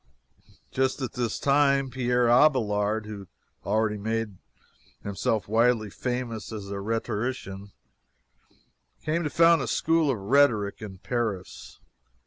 Just at this time, Pierre Abelard, who had already made himself widely famous as a rhetorician, came to found a school of rhetoric in Paris.